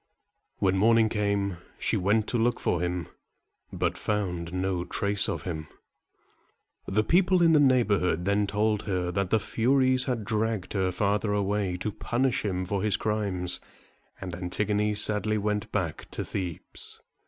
When morning came, she went to look for him, but found no trace of him. The people in the neighborhood then told her that the Furies had dragged her father away to punish him for his crimes, and Antigone sadly went back to Thebes.